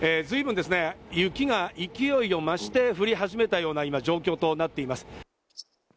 随分雪が勢いを増して降り始めたような状況となっています。